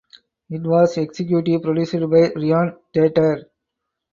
It was executive produced by Ryan Tedder.